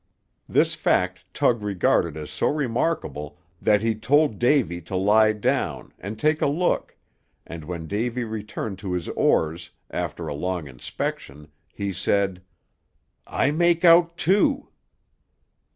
This fact Tug regarded as so remarkable that he told Davy to lie down, and take a look, and when Davy returned to his oars, after a long inspection, he said: "I make out two."